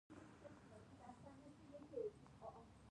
باید د خلکو رامنځته شوی رنځ ټولو ته بیان کړل شي.